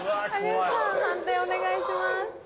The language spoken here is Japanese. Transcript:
判定お願いします。